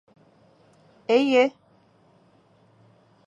— Эйе...